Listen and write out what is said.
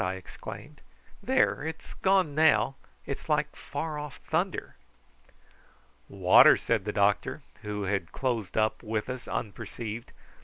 I exclaimed. "There! it is gone now. It is like far off thunder." "Water," said the doctor, who had closed up with us unperceived.